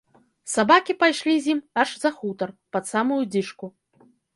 Сабакі пайшлі з ім аж за хутар, пад самую дзічку.